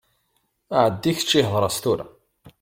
Ɛeddi kečči hḍeṛ-as tura.